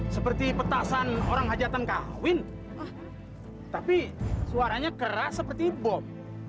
seperti petasan orang hajatan kawin tapi suaranya keras seperti bom